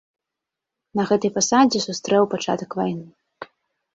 На гэтай пасадзе сустрэў пачатак вайны.